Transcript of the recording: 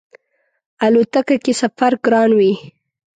الوتکه کی سفر ګران وی